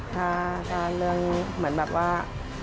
ถ้าเรื่องเหมือนแบบว่า